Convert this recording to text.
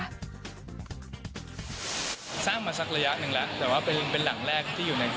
สร้างมาสักระยะหนึ่งแล้วแต่ว่าเป็นหลังแรกที่อยู่ใน